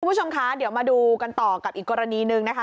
คุณผู้ชมคะเดี๋ยวมาดูกันต่อกับอีกกรณีหนึ่งนะคะ